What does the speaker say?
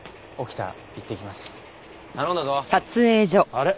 あれ？